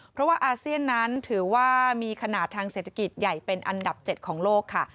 เพราะว่าอาเซียนนั้นถือว่ามีขนาดทางเศรษฐกิจใหญ่เป็นอันดับ๗ของโลกค่ะ